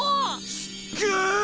すっげぇ！